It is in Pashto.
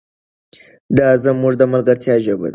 دا زموږ د ملګرتیا ژبه ده.